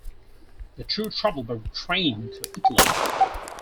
The two travelled by train to Italy.